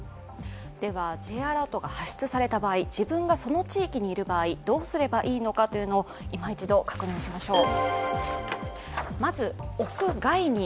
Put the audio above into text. ではＪアラートが発出された場合、自分がその地域にいる場合、どうすればいいのかをいま一度確認しましょう。